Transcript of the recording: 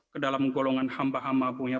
ke dalam golongan hamba hama bunya